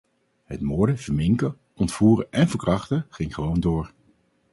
Het moorden, verminken, ontvoeren en verkrachten ging gewoon door.